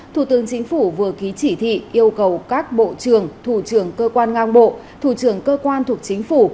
thủ tướng chính phủ vừa ký chỉ thị yêu cầu các bộ trường thủ trường cơ quan ngang bộ thủ trường cơ quan thuộc chính phủ